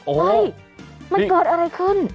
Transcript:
เฮ้ยมันเกิดอะไรขึ้น